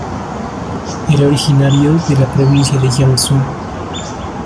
Era originario de la provincia de Jiangsu.